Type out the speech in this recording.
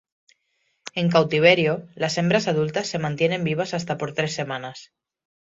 En cautiverio, las hembras adultas se mantienen vivas hasta por tres semanas.